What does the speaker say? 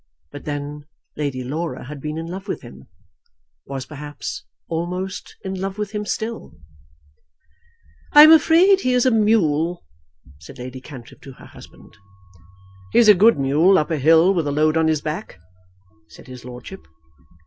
But then Lady Laura had been in love with him, was perhaps almost in love with him still. "I'm afraid he is a mule," said Lady Cantrip to her husband. "He's a good mule up a hill with a load on his back," said his lordship.